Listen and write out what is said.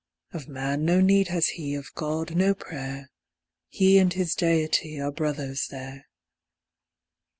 Of man no need has he, of God, no prayer; He and his Deity are brothers there.